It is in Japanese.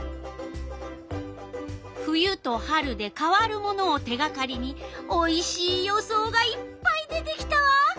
冬と春で変わるものを手がかりにおいしい予想がいっぱい出てきたわ。